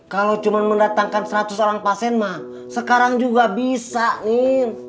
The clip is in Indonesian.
kalau cuman mendatangkan seratus orang pasen mah sekarang juga bisa nin